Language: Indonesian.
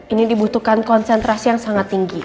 ini dibutuhkan konsentrasi yang sangat tinggi